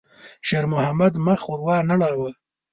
شېرمحمد مخ ور وانه ړاوه.